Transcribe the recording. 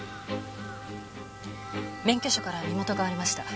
免許証から身元が割れました。